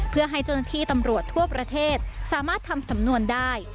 เพื่อให้เจ้าหน้าที่ตำรวจทั่วประเทศสามารถทำสำนวนได้